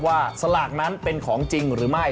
สลากนั้นเป็นของจริงหรือไม่